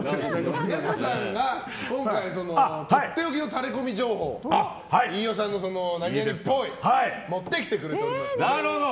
やすさんが今回とっておきのタレコミ情報飯尾さんの何々っぽいを持ってきてくれておりますので。